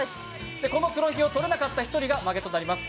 これを取れなかった人が負けとなります。